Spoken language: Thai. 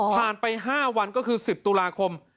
ผ่านไป๕วันก็คือ๑๐ตุลาคม